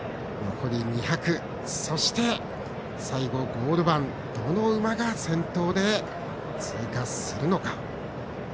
そして、最後、ゴール板どの馬が先頭で通過するのか。